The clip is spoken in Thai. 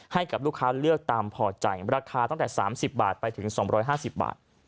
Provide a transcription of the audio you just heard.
ให้กับลูกค้าเลือกตามพอใจราคาตั้งแต่สามสิบบาทไปถึงสองร้อยห้าสิบบาท